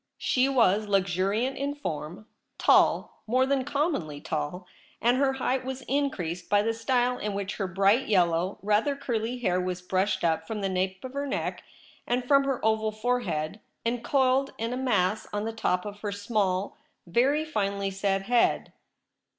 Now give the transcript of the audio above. She was luxuriant in form, tall — more than commonly tall — and her height was increased by the style in which her bright yellow, rather curly hair was brushed up from the nape of her neck and from her oval forehead, and coiled in a mass THE REBEL ROSE. on the top of her small, very finely set head.